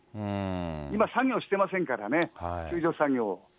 今、作業してませんからね、救助作業を。